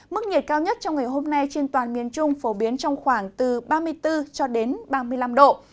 mức nhiệt cao nhất trong ngày hôm nay trên toàn miền trung phổ biến trong khoảng ba mươi bốn ba mươi năm độ